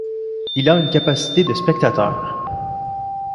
Il a une capacité de spectateurs.